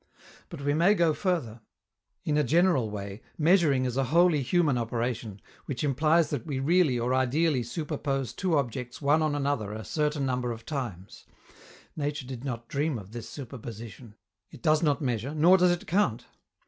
But we may go further. In a general way, measuring is a wholly human operation, which implies that we really or ideally superpose two objects one on another a certain number of times. Nature did not dream of this superposition. It does not measure, nor does it count.